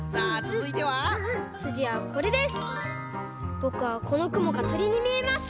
ぼくはこのくもがとりにみえました。